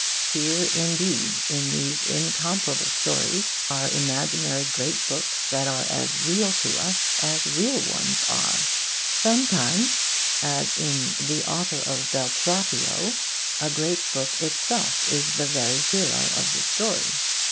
Here, indeed, in these incomparable stories, are imaginary great books that are as real to us as real ones are. Sometimes, as in 'The Author of "Beltraffio,"' a great book itself is the very hero of the story.